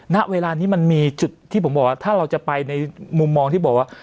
ณเวลานี้มันมีจุดที่ผมบอกว่าถ้าเราจะไปในมุมมองที่บอกว่า